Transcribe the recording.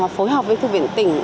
phối hợp với thư viện tỉnh